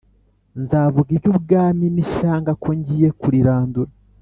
Nzavuga iby ubwami n ishyanga ko ngiye kurirandura